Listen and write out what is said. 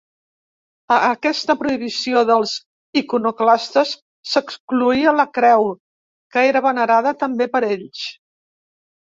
A aquesta prohibició dels iconoclastes s'excloïa la creu, que era venerada també per ells.